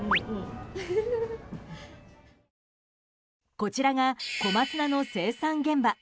こちらが小松菜の生産現場。